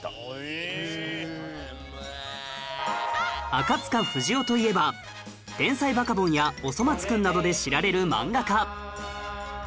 赤塚不二夫といえば『天才バカボン』や『おそ松くん』などで知られる漫画家